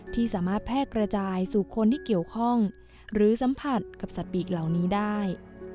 ที่สามารถแพร่กระจายสู่คนที่เกี่ยวข้องหรือสัมผัสกับสัตว์ปีกเหล่านี้ได้